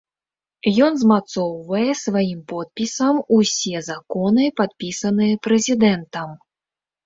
Ён змацоўвае сваім подпісам усё законы, падпісаныя прэзідэнтам.